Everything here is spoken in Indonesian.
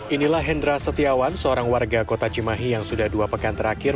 inilah hendra setiawan seorang warga kota cimahi yang sudah dua pekan terakhir